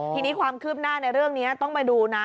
ทีนี้ความคืบหน้าในเรื่องนี้ต้องไปดูนะ